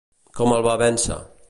Com el va vèncer?